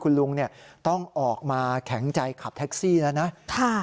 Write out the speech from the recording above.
คุณลุงต้องออกมาแข็งใจขับแท็กซี่แล้วนะ